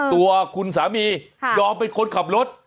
ตัวคุณสามียอมเป็นคนขับรถ